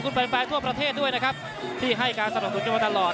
คุณแฟนทั่วประเทศด้วยนะครับที่ให้การสนับสนุนกันมาตลอด